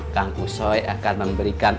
kang kusoy akan memberikan